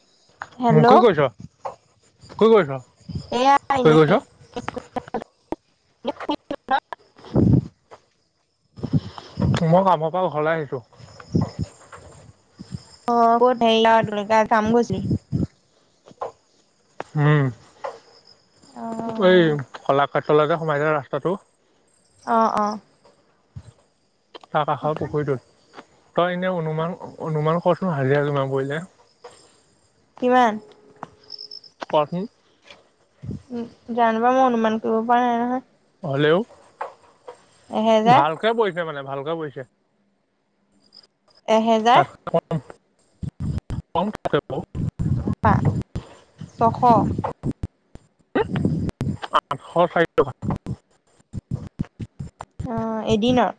[inaudible] উম, কি হেল্লো' কৰিছ? কি কৰিছ? এইয়া কি কৰিছ? এনেই। মই কামৰ পৰা ঘৰলে আহিছো। [unintelligible] হুম। টো এই খলাকাটলৈ যে সোমাই যায় ৰাস্তাটো অ অ। তাৰ কাষৰ পুখুৰীটোত। তই এনেই অনুমান অনুমান কৰচোন হাজিৰা কিমান পৰিলে। কিমান? কোৱা চোন? জানো পাই মই অনুমান কৰিব পৰা নাই নহয়। হলেওঁ, এহেজাৰ ভালকে পৰিছে মানে ভালকে পৰিছে। এহেজাৰ। [unintelligible] পা ছশ। আঠশ চাৰি টকা। এদিনৰ?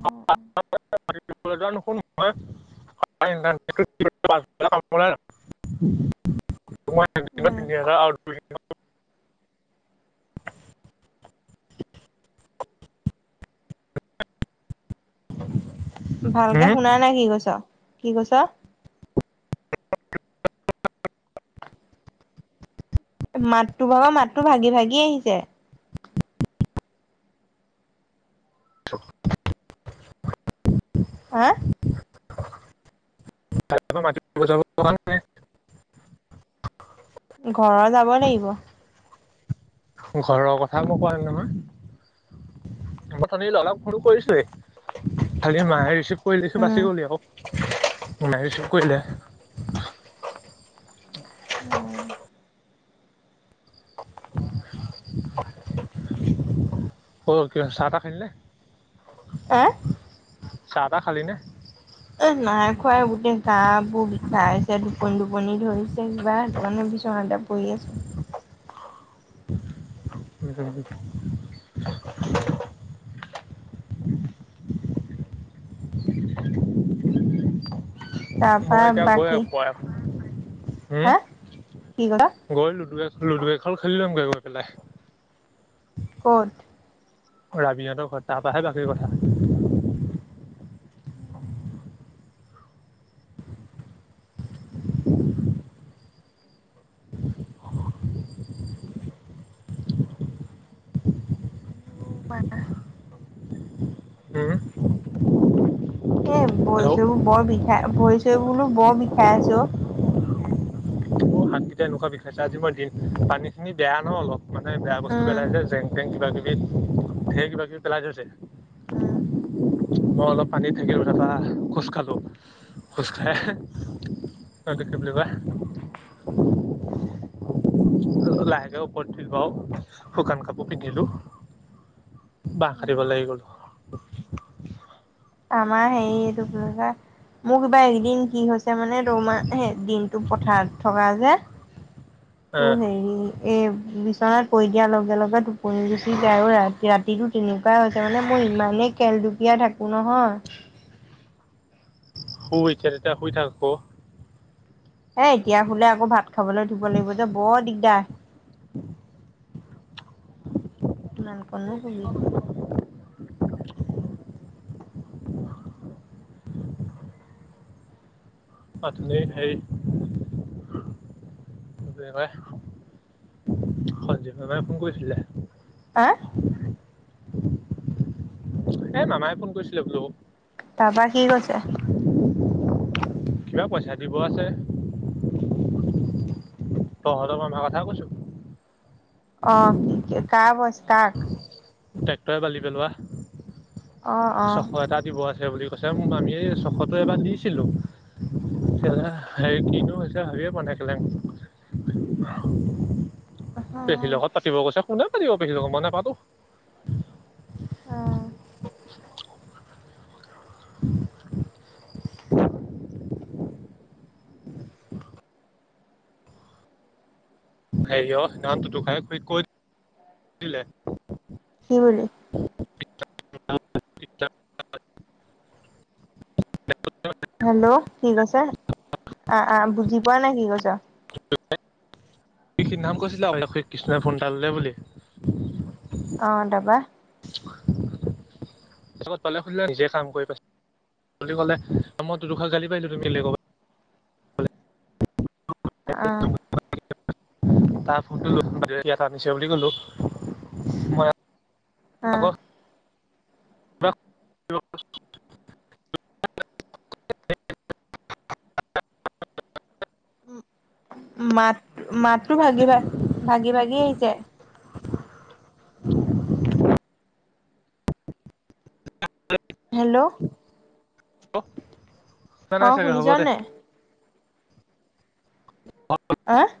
ওম ওম। [unintelligible] [unintelligible] উম [unintelligible] টি টা। ভালকে শুনা নাই কি কৈছ। কি কৈছ? [unintelligible] এ মাততো বৰ মাততো ভাগি ভাগি আহিছে। হা আ। [unintelligible] ঘৰৰ যাবই লাগিব। ঘৰৰ কথা মই কোৱা নাই নহয়। মই কালি লগালগ ফোন কৰিছোঁৱেই। খালি মায়ে ৰিচিভ কৰি লৈছোঁ উম বাচি গ'লি আকৌ, ঢি ঢি যি যি মাই ৰিছিভ কৰিলে। উম উ উ উ। ক কি হ'ল চাহ-তাহ খালিনে? আ আ। চাহ-তাহ খালি নে? এ নাই খুৱা। গোটেই গা বোৰ বিখাইছে টোপনি টোপনি ধৰিছে কিবা, সেইটো কাৰণে বিচনাতে শুই আছোঁ। শুই থাকা দেই উম উম। তাৰপা মই এতিয়া গৈয়ে বাকী পাম। হুম হা কি ক'লা উ উ। গৈ লুডু এখন লুডু এখন খেলিল'মগে গৈ পেলাই। ক'ত? ৰাবিহঁতৰ ঘৰত। তাৰ পৰাহে বাকীৰ কথা। বানা। হেল্ল' এ ভৰি-চৰিবোৰ বৰ বিষাই, ভৰি-চৰি বোলো বৰ বিষাই আছে অঁ। তেনেকুৱা বিষাইছে। আজি মই দি, পানীখিনি বেয়া ন অলপ মানে বেয়া বস্তু উম পেলাই যে জেং জেং কিবা-কিবি, ঢেৰ কিবা-কিবি পেলাই থৈছে। উম উ। মই অলপ পানীত থাকিলো, তাৰ পৰা খোঁচ খালোঁ। খোঁচ খাই এহে তাট তাৰপিছত কি বুলি কয় ঢু ঢু ঢু লাহেকে ওপৰত বও শুকান কাপোৰ পিন্ধিলো। বাহ কাটিব উম। লাগি গ'লো অ অ টো। আমাৰ সেই দুপুৰ বা মোৰ কিবা এদিন কি হৈছে মানে ৰৌ মা সেই দিনটো পথাৰত থকা যে তোৰ হেৰি ই ই এ বিচনাত পৰি দিয়াৰ লগে লগে টোপনি গুচি যায় আৰু ৰাতি ৰাতিটো তেনে কিবা হৈছে মানে মই ইমানেই খেল দুুপিয়া থাকো নহয়। শু এতিয়া তেতিয়া শুই থাক আকৌ। এ এতিয়া শুলে আকৌ ভাত খাবলৈ দিব লাগিব যে বৰ দিগদাৰ। ইমান কন নু শুবি। আথুনিই হেই। শনিবাৰে ঢু ঢু ঢু চু সঞ্জীৱে বাৰু ফোন কৰিছিলে। হা আ। ঢি ঢি ঢি এ মামাই ফোন কৰিছিলে বোলো। তাৰপৰা কি কৈছে? হু হু হু হু হু হু কিবা পইচা দিব আছে হু হু হু হু হু হু। হু হু হু তহঁতৰ কথাৰ কথা কৈছো। অ কি কা কৈছ কাক ট্ৰেক্টৰে বালি পেলোৱা অ অ ছশ এটা দিব আছিল। দে বুলি কৈছে আমি এই ছশটো এবাৰ দিছিলোঁ। কেলে হেৰি কিনো হৈছে হেৰি মানে কেলে পেহী লগত পাতিব গৈছে কোনে পাতিব পেহী লগক মাই নাপাতো অ [inaudible] [unintelligible] কি বুলি [unintelligible] হেল্ল' কি কৈছে বুজি পোৱা নাই কি কৈছে কৃষিৰ নাম কৈছিলা কৃষ্ণই ফোন এটা ললে বুলি অ তাৰপা তত পালে খুধিলে নিজে কাম কৰি পাইছ বুলি কলে মই দুখাৰ গালি পাৰিলো তুমিবা অ তাৰ ফোনটো ত নিচি বুলি কলো মই অ আকৌ [inaudible] উম মাত মাতটো ভাগি ভা ভাগি ভাগি আহিছে হেল্ল' [inaudible] অ চাগে হ'ব শুনিঁছা নে দে নাই অ আহ